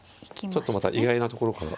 ちょっとまた意外なところから。